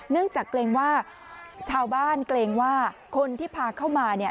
จากเกรงว่าชาวบ้านเกรงว่าคนที่พาเข้ามาเนี่ย